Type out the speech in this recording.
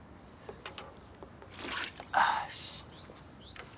よし。